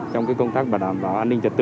trong công tác bảo đảm bảo an ninh trật tự